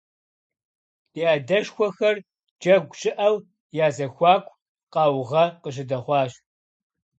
Ди адэшхуэхэр джэгу щыӀэу я зэхуаку къаугъэ къыщыдэхъуащ.